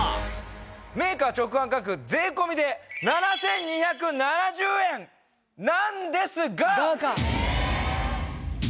メーカー直販価格税込で７２７０円なんですが。